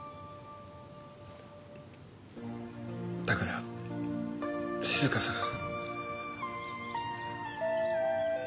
だから静香さん。